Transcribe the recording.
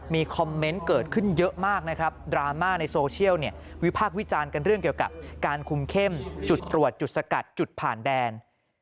มีคอมเมนต์เกิดขึ้นเยอะมากนะครับดราม่าในโซเชียลวิพากษ์วิจารณ์กันเรื่องเกี่ยวกับการคุมเข้มจุดตรวจจุดสกัดจุดผ่านแดน